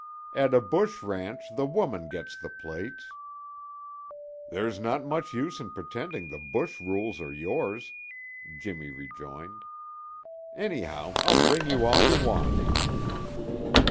"At a bush ranch the woman gets the plates." "There's not much use in pretending the bush rules are yours," Jimmy rejoined. "Anyhow, I'll bring you all you want."